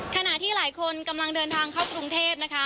ขณะที่หลายคนกำลังเดินทางเข้ากรุงเทพนะคะ